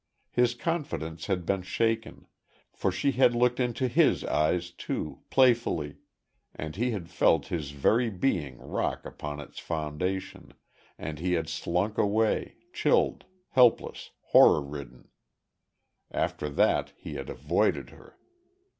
His confidence had been shaken; for she had looked into his eyes, too, playfully; and he had felt his very being rock upon its foundation, and he had slunk away, chilled, helpless, horror ridden.... After that he had avoided her.